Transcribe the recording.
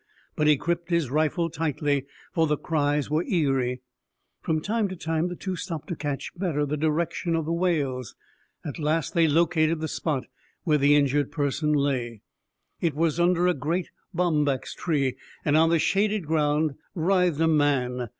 But he gripped his rifle tightly, for the cries were eery. From time to time the two stopped to catch better the direction of the wails. At last, they located the spot where the injured person lay. It was under a great bombax tree, and on the shaded ground writhed a man.